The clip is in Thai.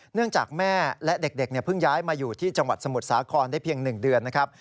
เนื่องจากแม่และเด็กเพิ่งย้ายมาอยู่ที่จังหวัดสมุทรสาครได้เพียง๑เดือนนะครับ